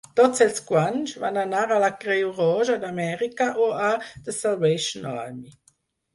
Tots els guanys van anar a la Creu Roja d'Amèrica o a The Salvation Army.